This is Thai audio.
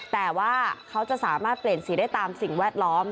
แต่ว่าเขาจะสามารถเปลี่ยนสีได้ตามสิ่งแวดล้อม